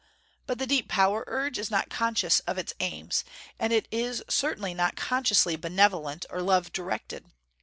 But the deep power urge is not conscious of its aims: and it is certainly not consciously benevolent or love directed.